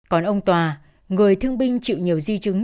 còn ông tòa người thương binh chịu nhiều di chứng